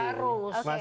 ini juga harus